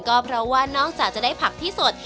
ก็เพราะว่านอกจากจะได้ผักที่สด